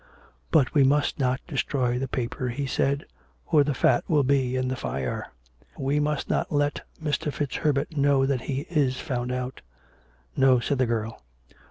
" But we must not destroy the paper," he said, " or the COME RACK! COME ROPE! 251 fat will be in the fire. We must not let Mr. FitzHerbert know that he is found out." " No/' said the girl.